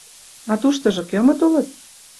А туштыжо кӧмыт улыт?